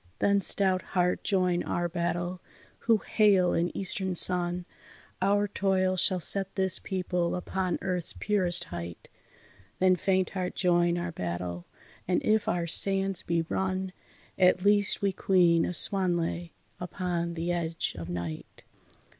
Then stout heart join our battle! who hail an eastern sun, Our toil shall set this people upon earth's purest height. Then faint heart join our battle! and if our sands be run, At least we caoin a swan lay upon the edge of night.